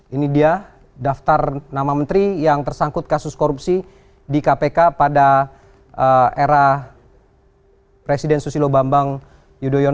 ini dia daftar nama menteri yang tersangkut kasus korupsi di kpk pada era presiden susilo bambang yudhoyono